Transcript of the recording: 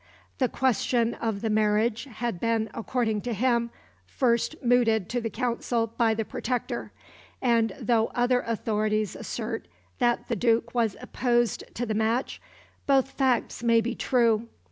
The question of the marriage had been, according to him, first mooted to the Council by the Protector, and though other authorities assert that the Duke was opposed to the match, both facts may be true.